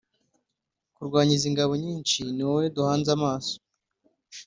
kurwanya izi ngabo nyinshi Ni wowe duhanze amaso